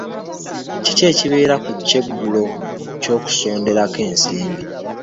Kiki ekibeera ku kyeggulo ky'okusonderako ensimbi?